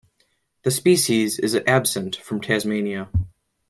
The species is absent from Tasmania.